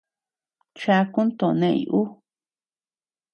Chakun to neʼëñ uu.